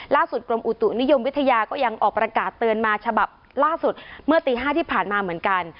กรมอุตุนิยมวิทยาก็ยังออกประกาศเตือนมาฉบับล่าสุดเมื่อตี๕ที่ผ่านมาเหมือนกัน